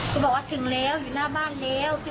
ก็บอกว่าถึงแล้วอยู่หน้าบ้านแล้ว